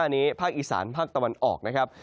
อันนี้ภาคอีสานภาคตะวันออกนะครับ